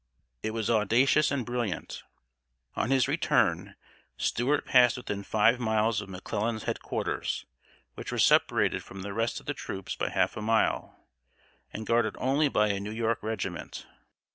It was audacious and brilliant. On his return, Stuart passed within five miles of McClellan's head quarters, which were separated from the rest of the troops by half a mile, and guarded only by a New York regiment.